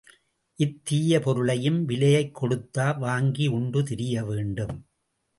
இத் தீய பொருளையும் விலையைத் கொடுத்தா வாங்கி உண்டு திரியவேண்டும்?